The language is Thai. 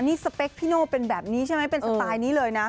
นี่สเปคพี่โน่เป็นแบบนี้ใช่ไหมเป็นสไตล์นี้เลยนะ